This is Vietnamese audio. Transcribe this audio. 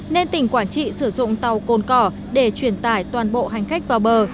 nên tỉnh quảng trị sử dụng tàu côn cỏ để truyền tải toàn bộ hành khách vào bờ